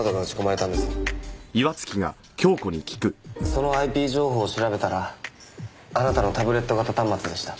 そのＩＰ情報を調べたらあなたのタブレット型端末でした。